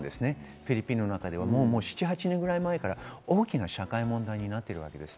フィリピンの中では７８年ぐらい前から大きな社会問題になっています。